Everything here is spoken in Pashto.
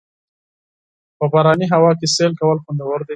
په باراني هوا کې سیل کول خوندور دي.